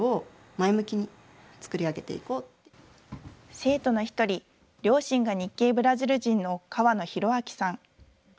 生徒の一人、両親が日系ブラジル人の川野洋明さん。